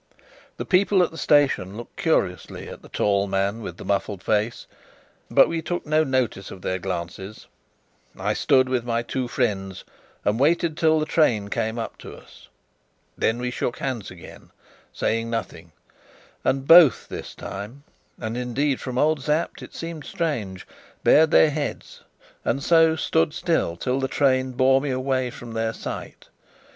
The people at the station looked curiously at the tall man with the muffled face, but we took no notice of their glances. I stood with my two friends and waited till the train came up to us. Then we shook hands again, saying nothing; and both this time and, indeed, from old Sapt it seemed strange bared their heads, and so stood still till the train bore me away from their sight.